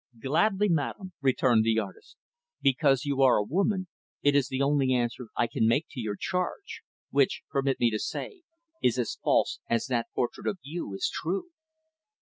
"Gladly, madam," returned the artist. "Because you are a woman, it is the only answer I can make to your charge; which, permit me to say, is as false as that portrait of you is true."